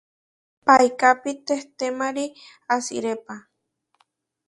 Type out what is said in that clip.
Paikápi tehtémari asirépa.